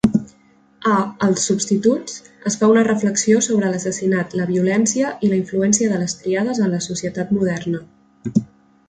A "Els substituts" es fa una reflexió sobre l'assassinat, la violència i la influència de les triades en la societat moderna.